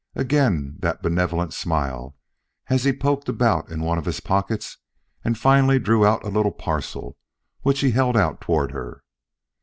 Again that benevolent smile as he poked about in one of his pockets and finally drew out a little parcel which he held out toward her.